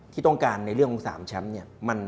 ที่ต้องการในเรื่องของ๓แชมป์เนี่ย